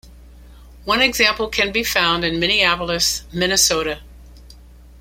One example can be found in Minneapolis, Minnesota.